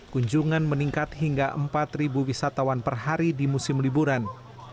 kunjungan meningkat hingga empat wisatawan per hari di musim liburan